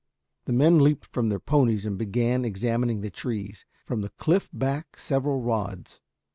The men leaped from their ponies and began examining the trees, from the cliff back several rods.